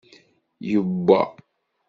Yewwa.